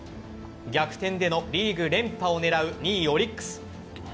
逆転でのリーグ連覇を狙う２位・オリックス。